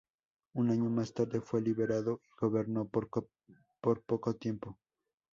Un año más tarde fue liberado y gobernó por poco tiempo.